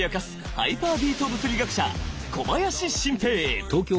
ハイパービート物理学者小林晋平！